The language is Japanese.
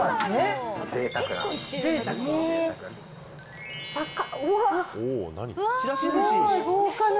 ぜいたくな。